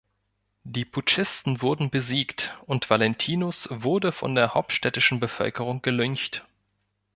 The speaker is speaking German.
Die Putschisten wurden besiegt, und Valentinus wurde von der hauptstädtischen Bevölkerung gelyncht.